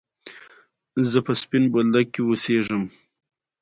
زه په ټولنه کي د خلکو د پرمختګ لپاره باید اساسي کار وکړم.